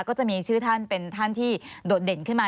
ก็จะมีชื่อท่านเป็นท่านที่โดดเด่นขึ้นมา